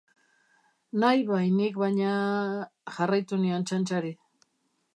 Nahi bai nik baina... jarraitu nion txantxari.